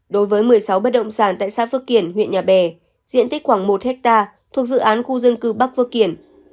đối với một mươi sáu bất động sản tại xã phước kiển huyện nhà bè diện tích khoảng một hectare thuộc dự án khu dân cư bắc phước kiển